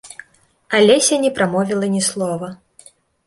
Алеся не прамовіла ні слова.